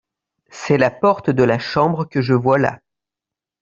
c'est la porte de la chambe que je vois là.